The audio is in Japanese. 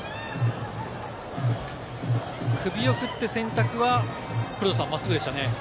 首を振っての選択は黒田さん、真っすぐでしたね。